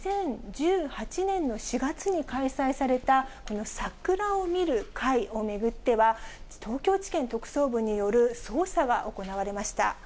２０１８年の４月に開催されたこの桜を見る会を巡っては、東京地検特捜部による捜査が行われました。